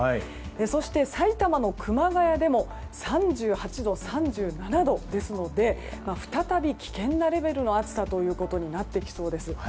そして埼玉の熊谷でも３８度、３７度ですので再び危険なレベルの暑さとなってきそうです。